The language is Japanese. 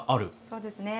そうですね。